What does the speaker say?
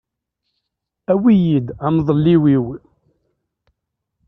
Awi-iyi-d amḍelliw-iw.